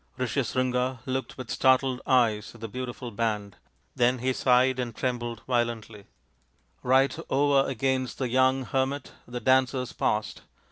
Rishyasringa looked with startled eyes at the THE GREAT DROUGHT 267 beautiful band; then he sighed and trembled violently. Right over against the young hermit the dancers paused.